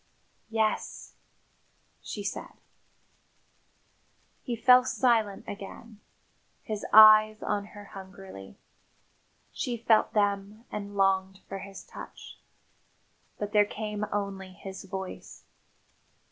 "Yes," she said. He fell silent again, his eyes on her hungrily. She felt them and longed for his touch. But there came only his voice.